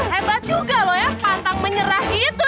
hebat juga loh ya pantang menyerah itu